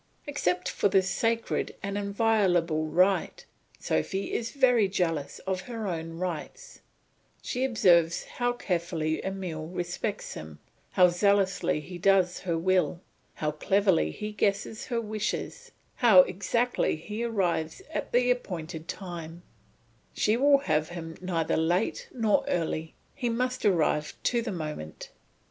Except for this sacred and inviolable right, Sophy is very jealous of her own rights; she observes how carefully Emile respects them, how zealously he does her will; how cleverly he guesses her wishes, how exactly he arrives at the appointed time; she will have him neither late nor early; he must arrive to the moment.